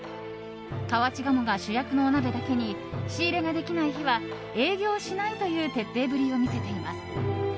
河内鴨が主役のお鍋だけに仕入れができない日は営業しないという徹底ぶりを見せています。